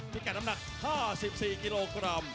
กัดน้ำหนัก๕๔กิโลกรัม